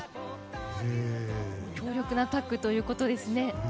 強力なタッグということですね。